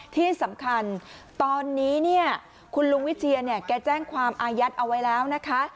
ที่สำคัญตอนนี้เนี่ยคุณลุงวิเชียเนี่ยแกแจ้งความอายัดเอาไว้แล้วนะคะ